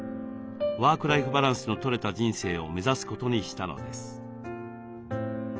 ワークライフバランスのとれた人生を目指すことにしたのです。